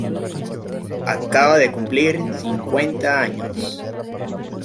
Acababa de cumplir cincuenta años.